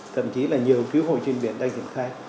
thậm chí là nhiều cứu hồ trên biển đang diễn khai